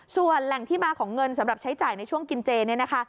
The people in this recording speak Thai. ส่วนแหล่งที่มาของเงินสำหรับใช้จ่ายในช่วงกินเจเนี่ยนะคะ